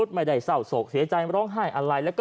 ไปกัน๓คน